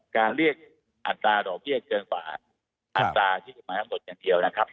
การเรียกอันตราดอกเรียกเกินกว่าอันตราที่มายังหมดอย่างเดียวนะครับครับ